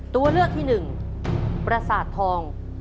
ตัวเลือกที่หนึ่งประสาททอง